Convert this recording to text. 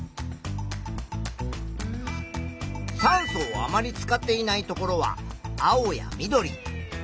酸素をあまり使っていないところは青や緑。